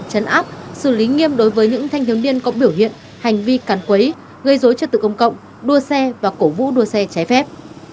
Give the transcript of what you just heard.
chấn áp xử lý nghiêm đối với những thanh thiếu niên có biểu hiện hành vi cắn quấy gây dối trật tự công cộng đua xe và cổ vũ đua xe trái phép